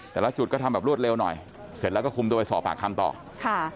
แต่ละจุดก็ทำแบบรวดเร็วหน่อยเสร็จแล้วก็คุมตัวไปสอบปากคำต่อค่ะ